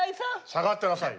下がってなさい。